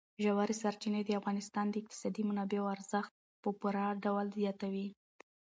ژورې سرچینې د افغانستان د اقتصادي منابعو ارزښت په پوره ډول زیاتوي.